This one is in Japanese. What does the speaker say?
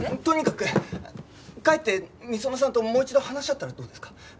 とにかく帰って美園さんともう一度話し合ったらどうですか？